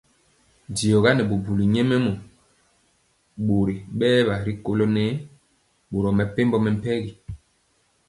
Diɔga nɛ bubuli nyɛmemɔ bori bɛwa rikolo nɛɛ boro mepempɔ mɛmpegi.